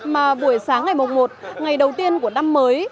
mà buổi sáng ngày một ngày đầu tiên của năm mới